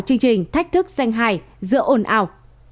chương trình thách thức danh hài giữa ồn ảo